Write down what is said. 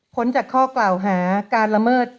จากข้อกล่าวหาการละเมิด